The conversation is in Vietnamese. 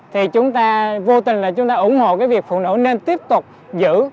thì chúng ta vô tình là chúng ta ủng hộ cái việc phụ nữ nên tiếp tục giữ